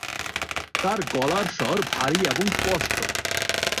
তাঁর গলার স্বর ভারি এবং স্পষ্ট।